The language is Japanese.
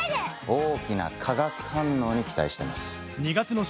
大きな化学反応に期待してます。